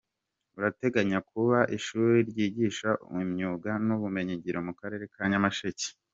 Urateganya kubaka ishuri ryigisha imyuga n’ubumenyingiro mu Karere ka Nyamasheke.